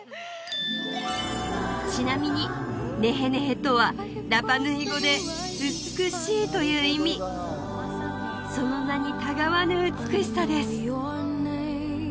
ちなみにネヘネヘとはラパ・ヌイ語で「美しい」という意味その名に違わぬ美しさです